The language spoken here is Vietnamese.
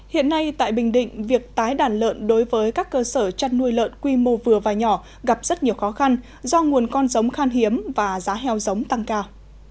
hiện nay tại bình định việc tái đàn lợn đối với các cơ sở chăn nuôi lợn quy mô vừa và nhỏ gặp rất nhiều khó khăn do nguồn con giống khan hiếm và giá heo giống tăng cao